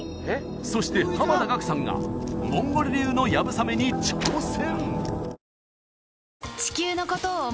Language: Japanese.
そして濱田岳さんがモンゴル流の流鏑馬に挑戦！